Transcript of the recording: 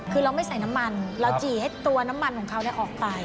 คือเราไม่ใส่น้ำมันเราจี่ให้ตัวน้ำมันของเขาออกไป